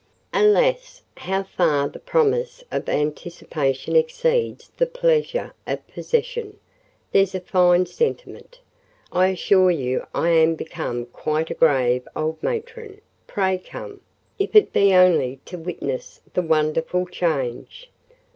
Alas! how far the promise of anticipation exceeds the pleasure of possession! There's a fine sentiment! I assure you I am become quite a grave old matron: pray come, if it be only to witness the wonderful change.